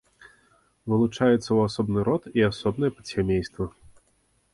Вылучаецца ў асобны род і асобнае падсямейства.